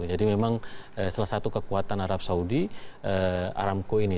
jadi memang salah satu kekuatan arab saudi aramco ini